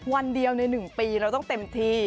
วันเดียวใน๑ปีเราต้องเต็มที่